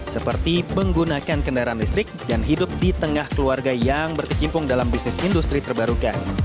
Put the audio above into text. seperti menggunakan kendaraan listrik dan hidup di tengah keluarga yang berkecimpung dalam bisnis industri terbarukan